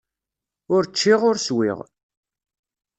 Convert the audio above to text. Ur cččiɣ, ur swiɣ.